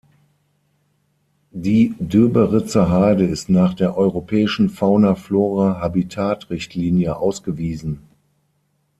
Die Döberitzer Heide ist nach der europäischen Fauna-Flora-Habitat-Richtlinie ausgewiesen.